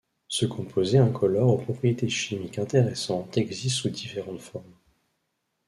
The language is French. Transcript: Ce composé incolore aux propriétés chimiques intéressantes existe sous différentes formes.